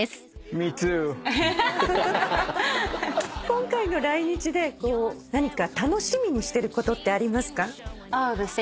今回の来日で楽しみにしてることってありますか？